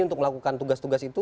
untuk melakukan tugas tugas itu